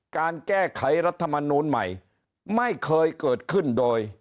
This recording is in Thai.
การแก้ไขรัฐมนูลใหม่ไม่เคยเกิดขึ้นโดย